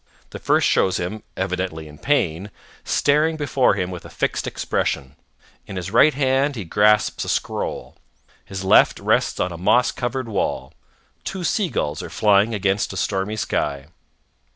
The first shows him, evidently in pain, staring before him with a fixed expression. In his right hand he grasps a scroll. His left rests on a moss covered wall. Two sea gulls are flying against a stormy sky.